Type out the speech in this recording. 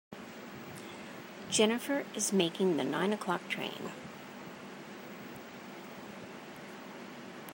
Jennifer is making the nine o'clock train.